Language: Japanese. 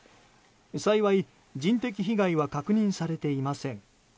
幸い、人的被害は確認されていません。